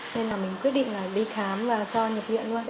nên là mình quyết định là đi khám và cho nhập viện luôn